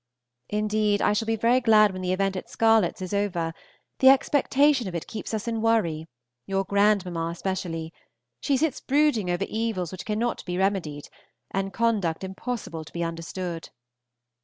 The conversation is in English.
Indeed, I shall be very glad when the event at Scarlets is over, the expectation of it keeps us in a worry, your grandmamma especially; she sits brooding over evils which cannot be remedied, and conduct impossible to be understood.